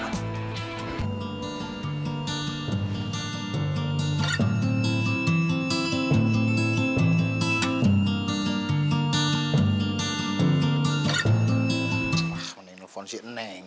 ah mending nelfon si neng